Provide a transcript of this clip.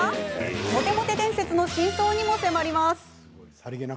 モテモテ伝説の真相にも迫ります。